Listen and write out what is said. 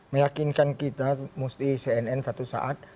meyakinkan kita mesti cnn satu saat